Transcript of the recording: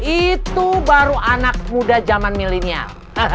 itu baru anak muda zaman milenial